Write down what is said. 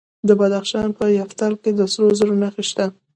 د بدخشان په یفتل کې د سرو زرو نښې شته.